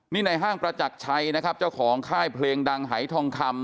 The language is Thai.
นี่ในห้างประจักรชัยนะครับเจ้าของค่ายเพลงดังหายทองคำ